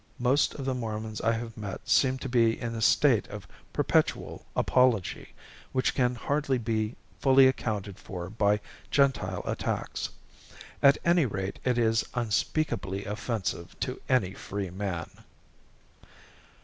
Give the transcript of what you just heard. Most of the Mormons I have met seem to be in a state of perpetual apology, which can hardly be fully accounted for by Gentile attacks. At any rate it is unspeakably offensive to any free man.